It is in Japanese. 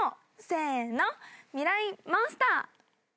せーのミライ☆モンスター。